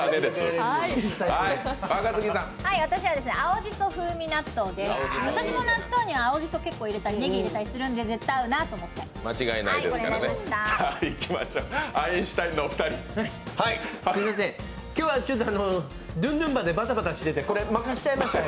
私も納豆に青じそ入れたりねぎ入れたりするんで絶対合うなと思って、これにしました。